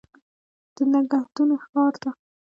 د نګهتونو ښار ته